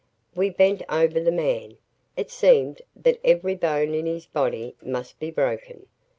We bent over the man. It seemed that every bone in his body must be broken.